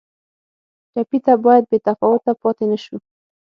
ټپي ته باید بې تفاوته پاتې نه شو.